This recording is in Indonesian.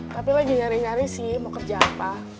tapi lagi nyari nyari sih mau kerja apa